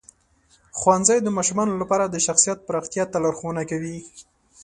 ښوونځی د ماشومانو لپاره د شخصیت پراختیا ته لارښوونه کوي.